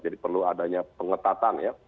jadi perlu adanya pengetatan ya